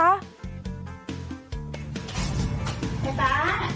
แม่ป๊า